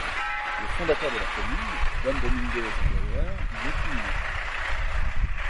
Le fondateur de la commune, Don Domingo Eyzaguirre, y est inhumé.